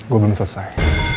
gue belum selesai